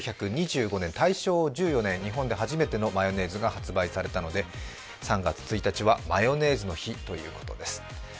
１９２５年、大正１４年、日本で初めてのマヨネーズが発売されたということで３月１日はマヨネーズの日ということです。